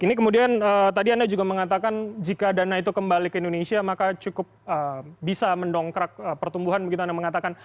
ini kemudian tadi anda juga mengatakan jika dana itu kembali ke indonesia maka cukup bisa mendongkrak pertumbuhan begitu anda mengatakan